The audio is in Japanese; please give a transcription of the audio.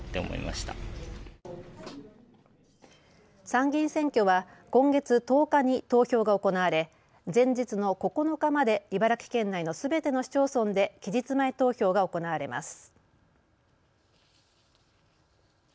参議院選挙は今月１０日に投票が行われ前日の９日まで茨城県内のすべての市町村で期日前投票が行われます。